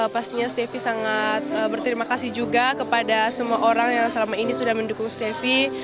pastinya stefi sangat berterima kasih juga kepada semua orang yang selama ini sudah mendukung stefi